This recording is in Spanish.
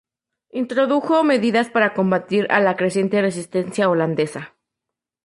Introdujo medidas para combatir a la creciente resistencia holandesa.